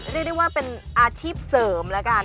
เรียกได้ว่าเป็นอาชีพเสริมแล้วกัน